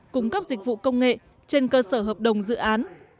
cung cấp dịch vụ công nghệ trên cơ sở hợp đồng dự án